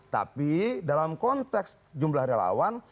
tapi dalam konteks jumlah relawan